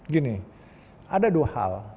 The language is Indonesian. gini ada dua hal